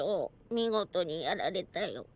見事にやられたよ。